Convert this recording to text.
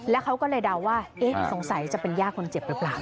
และเขาก็เลยเดาว่าสงสัยจะเป็นย่าคนเจ็บหรือเปล่า